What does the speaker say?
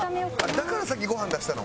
だから先ご飯出したの？